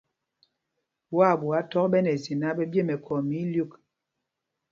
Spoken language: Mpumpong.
Ɓwaaɓuá thɔk ɓɛ nɛ zye náǎ, ɓɛ ɓye mɛkɔɔ mɛ ílyûk.